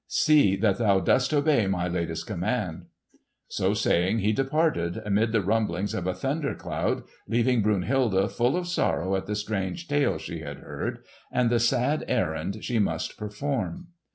See that thou dost obey my latest command!" So saying he departed, amid the rumblings of a thunder cloud, leaving Brunhilde full of sorrow at the strange tale she had heard and the sad errand she must perform.